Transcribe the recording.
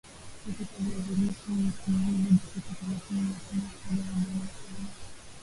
kupika viazi lishe isizidi dakika thelathini na tano hadi arobaini na tano